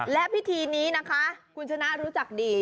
และพิธีนี้นะคะคุณชนะรู้จักดี